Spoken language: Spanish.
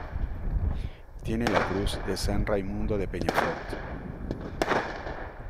Tiene la Cruz de San Raimundo de Peñafort.